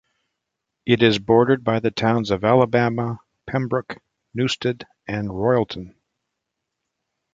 It is bordered by the Towns of Alabama, Pembroke, Newstead, and Royalton.